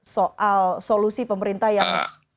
soal solusi pemerintah yang